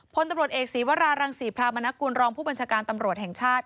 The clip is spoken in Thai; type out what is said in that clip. พลตำรวจเอกศีวรารังศรีพรามนกุลรองผู้บัญชาการตำรวจแห่งชาติ